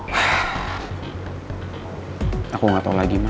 wah aku gak tau lagi ma